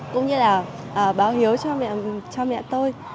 cũng như là báo hiếu cho mẹ tôi